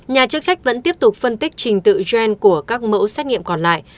nhà chức trách vẫn tiếp tục phân tích trình tự gen của các mẫu xét nghiệm còn lại